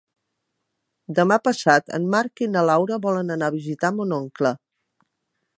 Demà passat en Marc i na Laura volen anar a visitar mon oncle.